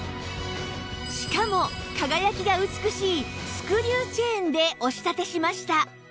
しかも輝きが美しいスクリューチェーンでお仕立てしました